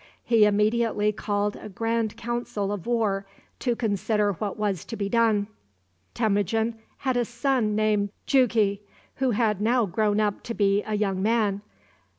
He immediately called a grand council of war to consider what was to be done. Temujin had a son named Jughi, who had now grown up to be a young man.